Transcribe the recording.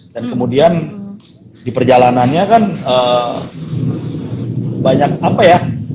dan kemudian di perjalanannya kan banyak apa ya